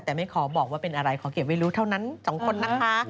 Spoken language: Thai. แต่ไม่ขอบอกว่าเป็นอะไรขอเก็บไว้รู้เท่านั้น๒คนนะคะ